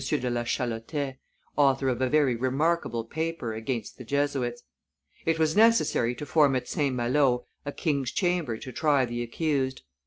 de la Chalotais, author of a very remarkable paper against the Jesuits. It was necessary to form at St. Malo a King's Chamber to try the accused.